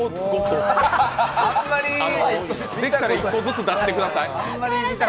できたら１個ずつ出してください。